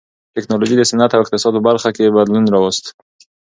ټکنالوژۍ د صنعت او اقتصاد په برخو کې بدلون راوست.